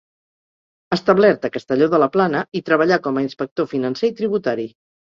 Establert a Castelló de la Plana, hi treballà com a inspector financer i tributari.